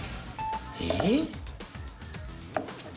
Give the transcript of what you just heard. えっ！？